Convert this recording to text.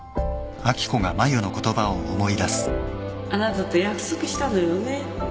あなたと約束したのよね